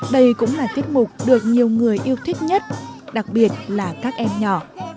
đây cũng là tiết mục được nhiều người yêu thích nhất đặc biệt là các em nhỏ